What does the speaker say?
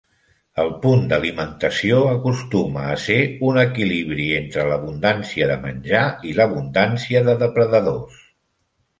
El punt d'alimentació acostuma a ser un equilibri entre l'abundància de menjar i l'abundància de depredadors.